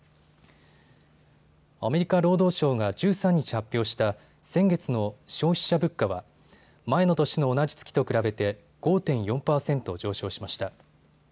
アメリカ労働省が１３日発表した先月の消費者物価は前の年の同じ月と比べて５．４％上昇しました。